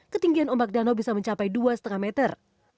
ketinggian ombak danau bisa mencapai dua lima meter